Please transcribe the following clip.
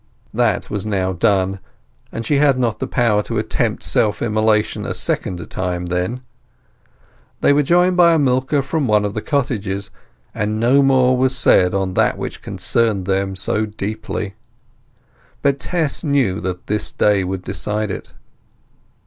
That was now done, and she had not the power to attempt self immolation a second time then. They were joined by a milker from one of the cottages, and no more was said on that which concerned them so deeply. But Tess knew that this day would decide it.